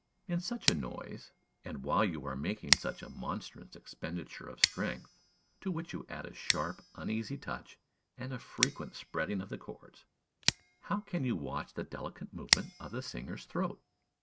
In such a noise, and while you are making such a monstrous expenditure of strength, to which you add a sharp, uneasy touch, and a frequent spreading of the chords, how can you watch the delicate movements of the singer's throat?